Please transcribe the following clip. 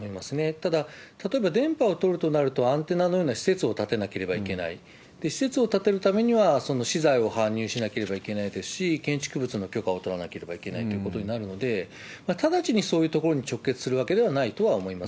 ただ、例えば電波を取るとなると、アンテナのような施設を建てなければいけない、施設を建てるためには、資材を搬入しなければいけないですし、建築物の許可を取らなければいけないということになるので、直ちにそういうところに直結するわけではないとは思います。